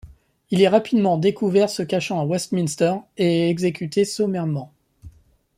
Il est rapidement découvert se cachant à Westminster, et est exécuté sommairement.